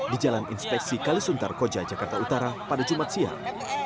di jalan inspeksi kalisuntar koja jakarta utara pada jumat siang